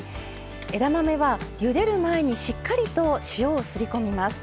枝豆はゆでる前にしっかりと塩をすりこみます。